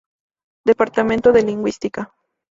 Departamento de lingüística.